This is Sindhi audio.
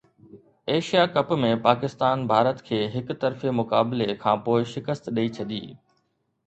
ايشيا ڪپ ۾ پاڪستان ڀارت کي هڪ طرفي مقابلي کانپوءِ شڪست ڏئي ڇڏي